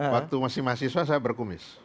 waktu masih mahasiswa saya berkumis